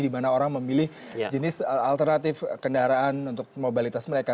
di mana orang memilih jenis alternatif kendaraan untuk mobilitas mereka